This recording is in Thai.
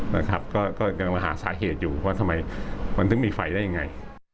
นะครับก็กำลังหาสาเหตุอยู่ว่าทำไมมันถึงมีไฟได้ยังไง